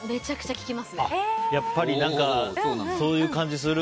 やっぱり、そういう感じする。